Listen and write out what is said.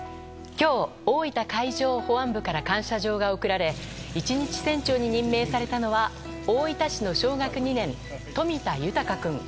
今日、大分海上保安部から感謝状が贈られ一日船長に任命されたのは大分市の小学２年、冨田豊君。